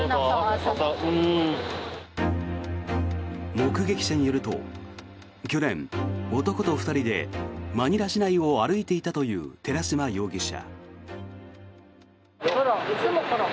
目撃者によると去年、男と２人でマニラ市内を歩いていたという寺島容疑者。